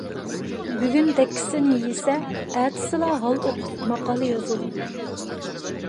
بۈگۈن دەككىسىنى يىسە، ئەتىسىلا ھال ئوقۇپ ماقالە يازىدۇ.